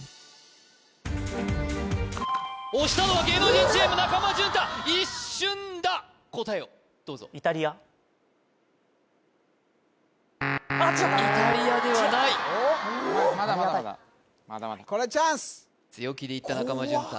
押したのは芸能人チーム中間淳太一瞬だ答えをどうぞイタリアではない違った・まだまだまだこれはチャンス怖かっ強気でいった中間淳太